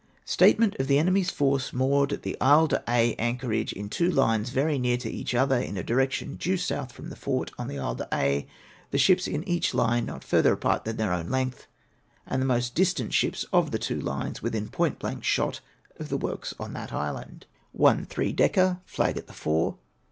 Statement of the enemy's force moored at Isle d'Aix, anchorage in two lines very near to each other, in a direction due south from the fort on Isle d'Aix; the ships in each line not further apart than their own length, and the most distant ships of the two lines within point blank shot of the works on that island. One three decker Flag at the fore.